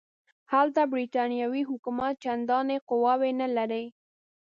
هلته برټانوي حکومت چنداني قواوې نه لري.